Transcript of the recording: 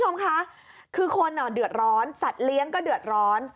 คุณผู้ชมคะคือคนเดือดร้อนสัตว์เลี้ยงก็เดือดร้อน